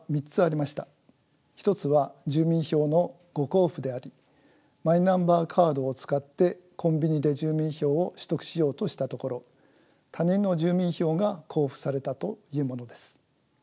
１つは住民票の誤交付でありマイナンバーカードを使ってコンビニで住民票を取得しようとしたところ他人の住民票が交付されたというものです。